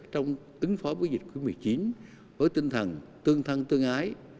trong ứng phó với dịch cuối một mươi chín với tinh thần tương thăng tương ái